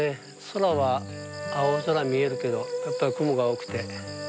空は青空見えるけどやっぱり雲が多くて。